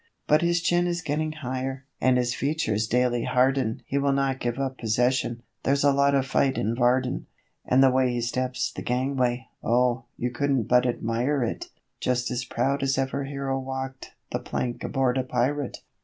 But his chin is getting higher, and his features daily harden (He will not 'give up possession' there's a lot of fight in Varden); And the way he steps the gangway! oh, you couldn't but admire it! Just as proud as ever hero walked the plank aboard a pirate!